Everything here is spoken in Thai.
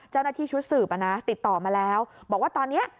เจ้าหน้าที่ชุดสืบติดต่อมาแล้วบอกว่าตอนนี้